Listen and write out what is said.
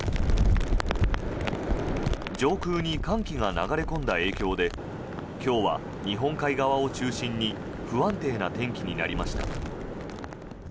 上空に寒気が流れ込んだ影響で今日は日本海側を中心に不安定な天気になりました。